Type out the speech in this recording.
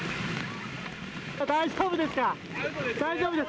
大丈夫ですか？